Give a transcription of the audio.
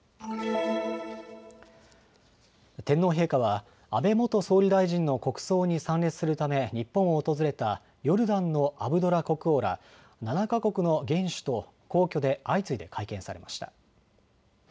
天皇陛下は安倍元総理大臣の国葬に参列するため日本を訪れたヨルダンのアブドラ国王ら７か国の元首と皇居で相次いで会見されました。